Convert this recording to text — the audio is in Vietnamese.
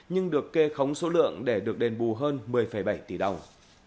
nhưng được kê khống số lượng để được đền bù hơn một mươi bảy tỷ đồng